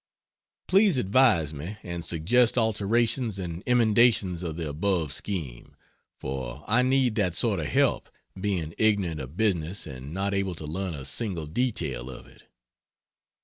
Please advise me and suggest alterations and emendations of the above scheme, for I need that sort of help, being ignorant of business and not able to learn a single detail of it.